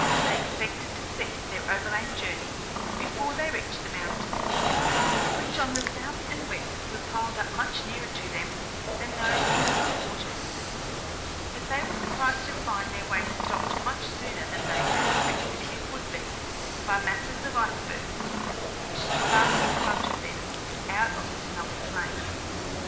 They expected to cease their overland journey before they reached the mountains, which on the south and west were piled up much nearer to them than those in other quarters, but they were surprised to find their way stopped much sooner than they had expected it would be by masses of icebergs, which stood up in front of them out of the snowy plain.